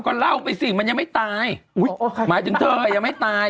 ก็เล่าไปสิมันยังไม่ตายอุ้ยหมายถึงเธอยังไม่ตาย